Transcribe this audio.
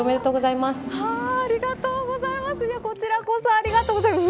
ありがとうございます。